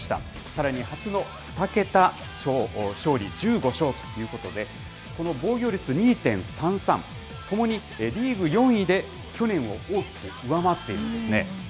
さらに初の２桁勝利１５勝ということで、この防御率２．３３、ともにリーグ４位で去年を大きく上回っているんですね。